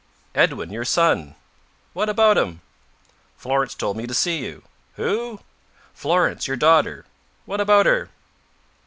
"Edwin. Your son." "What about him?" "Florence told me to see you." "Who?" "Florence. Your daughter." "What about her?"